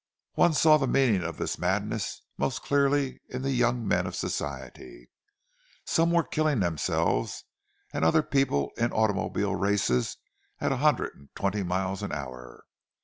One saw the meaning of this madness most clearly in the young men of Society. Some were killing themselves and other people in automobile races at a hundred and twenty miles an hour.